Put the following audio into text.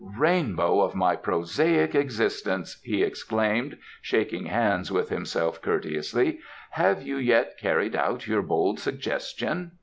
"Rainbow of my prosaic existence!" he exclaimed, shaking hands with himself courteously, "have you yet carried out your bold suggestion?"